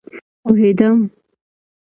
پوهیدم